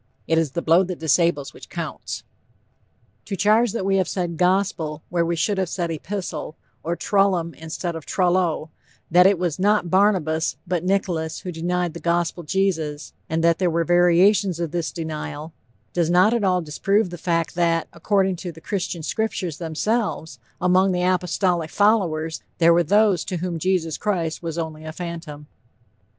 It is the blow that disables which counts. To charge that we have said 'Gospel,' where we should have said 'Epistle,' or 'Trullum' instead of 'Trullo'; that it was not Barnabas, but Nicholas who denied the Gospel Jesus, and that there were variations of this denial, does not at all disprove the fact that, according to the Christian scriptures themselves, among the apostolic followers there were those to whom Jesus Christ was only a phantom.